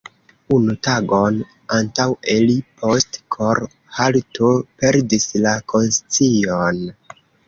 Unu tagon antaŭe li post kor-halto perdis la konscion.